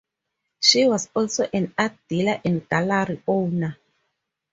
She was also an art dealer and gallery owner.